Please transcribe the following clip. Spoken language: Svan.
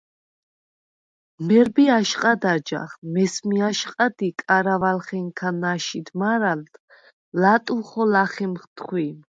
მერბე აშყად აჯაღ, მესმე აშყად ი კარავალხენქა ნა̈შიდ მარალდ ლატვხო ლახემხ თხვიმ.